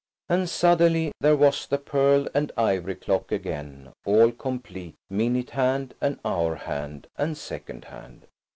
And suddenly there was the pearl and ivory clock again, all complete, minute hand and hour hand and second hand.